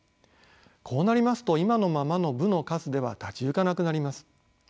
こうなりますと今のままの部の数では立ち行かなくなります。